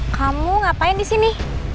kamu ngapain disini